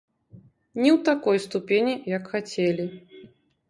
Не ў такой ступені, як хацелі.